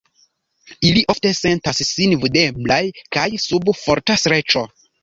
Ili ofte sentas sin vundeblaj kaj sub forta streĉo.